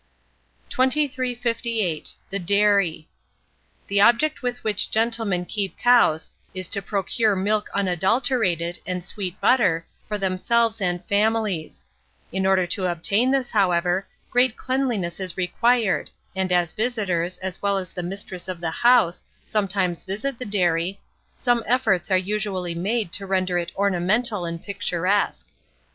2358. The Dairy. The object with which gentlemen keep cows is to procure milk unadulterated, and sweet butter, for themselves and families: in order to obtain this, however, great cleanliness is required, and as visitors, as well as the mistress of the house, sometimes visit the dairy, some efforts are usually made to render it ornamental and picturesque.